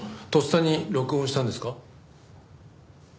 とっさに録音したんですか？